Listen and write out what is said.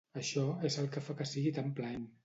Això és el que fa que sigui tan plaent.